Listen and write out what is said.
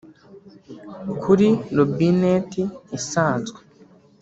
Kuri robinet isanzwe